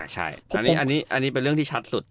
ใช่อันนี้เป็นเรื่องที่ชัดสุด